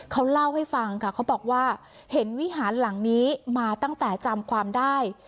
เขาเล่าให้ฟังค่ะเขาบอกว่าเห็นวิหารหลังนี้มาตั้งแต่จำความได้